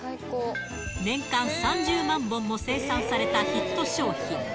年間３０万本も生産されたヒット商品。